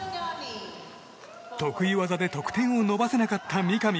得意技で得点を伸ばせなかった三上。